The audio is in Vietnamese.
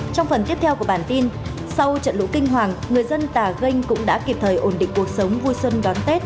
trong phần tiếp theo của bản tin sau trận lũ kinh hoàng người dân tà ganh cũng đã kịp thời ổn định cuộc sống vui xuân đón tết